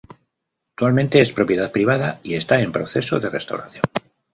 Actualmente es propiedad privada y está en proceso de restauración.